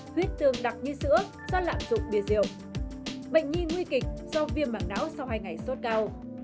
huyết tương đặc như sữa do lạm dụng bia rượu bệnh nhi nguy kịch do viêm mảng não sau hai ngày sốt cao